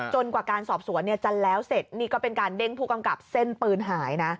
กว่าการสอบสวนจะแล้วเสร็จนี่ก็เป็นการเด้งผู้กำกับเส้นปืนหายนะ